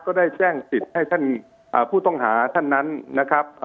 ก็ได้แจ้งสิทธิ์ให้ท่านผู้ต้องหาท่านนั้นนะครับ